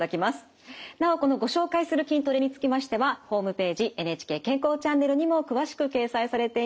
なおこのご紹介する筋トレにつきましてはホームページ「ＮＨＫ健康チャンネル」にも詳しく掲載されています。